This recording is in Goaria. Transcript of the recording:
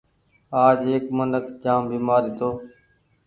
آج ايڪ منک جآم بيمآر هيتو